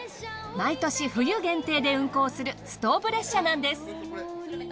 毎年冬限定で運行するストーブ列車なんです。